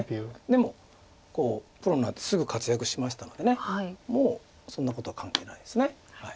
でもプロになってすぐ活躍しましたのでもうそんなことは関係ないです。